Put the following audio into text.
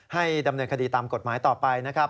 ให้ดำเนินคดีตามกฎหมายต่อไปนะครับ